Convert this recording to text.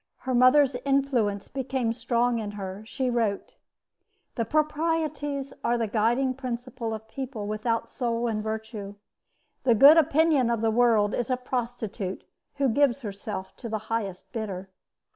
Her mother's influence became strong in her. She wrote: The proprieties are the guiding principle of people without soul and virtue. The good opinion of the world is a prostitute who gives herself to the highest bidder.